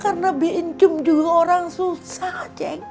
karena bencum juga orang susah ceng